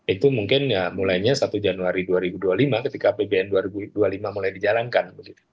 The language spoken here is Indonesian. itu mungkin mulainya satu januari dua ribu dua puluh lima ketika apbn dua ribu dua puluh lima mulai dijalankan